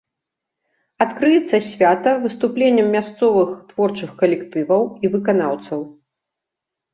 Адкрыецца свята выступленнем мясцовых творчых калектываў і выканаўцаў.